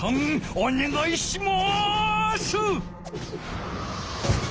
おねがいします！